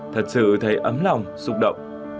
thật sự thấy ấm lòng xúc động